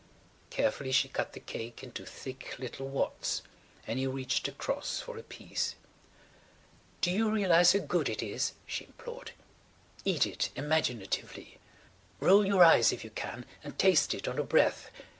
... Carefully she cut the cake into thick little wads and he reached across for a piece. "Do you realize how good it is," she implored. "Eat it imaginatively. Roll your eyes if you can and taste it on the breath.